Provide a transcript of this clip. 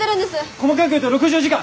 細かく言うと６０時間！